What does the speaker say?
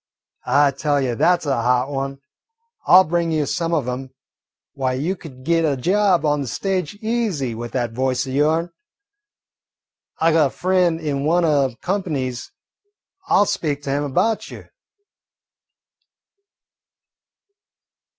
I tell you, that 's a hot one. I 'll bring you some of 'em. Why, you could git a job on the stage easy with that voice o' yourn. I got a frien' in one o' the comp'nies an' I 'll speak to him about you."